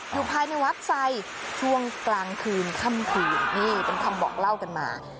อยู่ภายในวัดไซดช่วงกลางคืนค่ำคืนนี่เป็นคำบอกเล่ากันมา